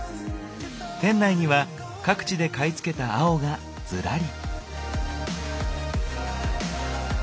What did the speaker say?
店内には各地で買い付けた青がずらり。